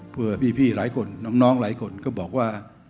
เพื่อพี่หลายคนน้องหลายคนก็บอกว่า